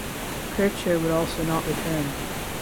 Kircher would also not return.